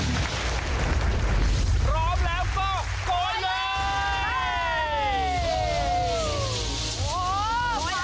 ได้หรือยังผู้โชคดี